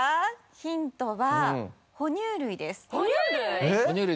ヒントは哺乳類です哺乳類？